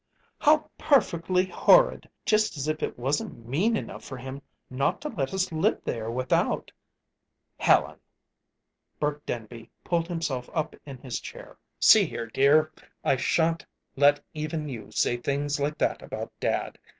"How perfectly horrid! Just as if it wasn't mean enough for him not to let us live there, without " "Helen!" Burke Denby pulled himself up in his chair. "See here, dear, I shan't let even you say things like that about dad.